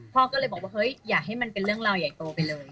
พ่อก็เลยบอกว่าเฮ้ยอย่าให้มันเป็นเรื่องราวใหญ่โตไปเลย